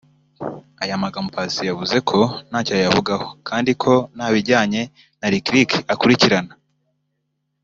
Aya magambo Paccy yavuze ko ntacyo yayavugaho kandi ko nta bijyanye na Lick Lick akurikirana